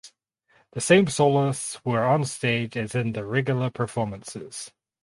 The same soloists were on stage as in the regular performances.